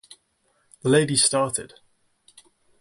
The lady started.